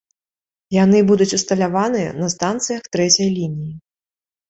Яны будуць усталяваныя на станцыях трэцяй лініі.